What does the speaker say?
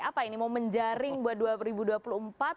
apa ini mau menjaring buat dua ribu dua puluh empat